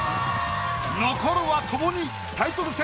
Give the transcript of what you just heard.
残るは共にタイトル戦